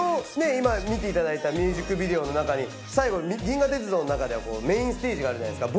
今見ていただいたミュージックビデオのなかに最後銀河鉄道のなかではメインステージがあるじゃないですか。